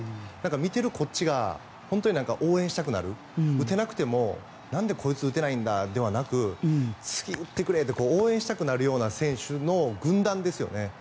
見てるこっちが応援したくなる打てなくても、なんでこいつ打てないんだではなく次、打ってくれって応援したくなるような選手の軍団ですよね。